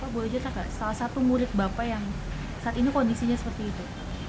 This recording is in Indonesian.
boleh cerita gak salah satu murid bapak yang saat ini kondisinya seperti itu